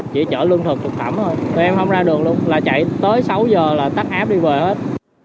chỉ chở lương thực phục thẩm thôi em không ra đường luôn là chạy tới sáu h là tắt áp đi về hết